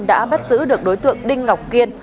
đã bắt giữ được đối tượng đinh ngọc kiên